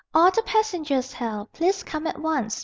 All the passengers held. Please come at once.